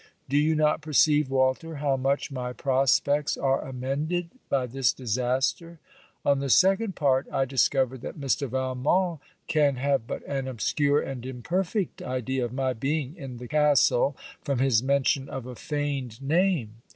Do you not perceive, Walter, how much my prospects are amended by this disaster? On the second part, I discovered that Mr. Valmont can have but an obscure and imperfect idea of my being in the castle, from his mention of a feigned name.